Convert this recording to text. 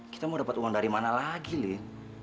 kita mau dapat uang dari mana lagi nih